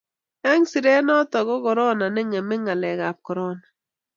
eng siret noto ko korona ne ngeme ngalek ab korona